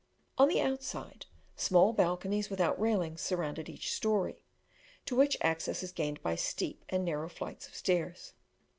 On the outside, small balconies without railings surround each story, to which access is gained by steep and narrow flights of stairs.